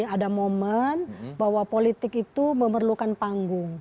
ada momen bahwa politik itu memerlukan panggung